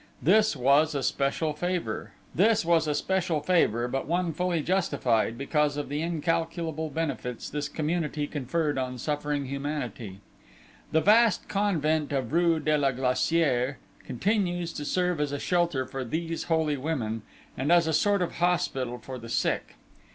This was a special favour, but one fully justified, because of the incalculable benefits this community conferred on suffering humanity. The vast convent of rue de la Glacière continues to serve as a shelter for these holy women, and as a sort of hospital for the sick.